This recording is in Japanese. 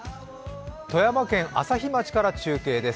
富山県朝日町から中継です。